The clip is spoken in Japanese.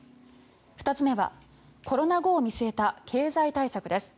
２つ目はコロナ後を見据えた経済対策です。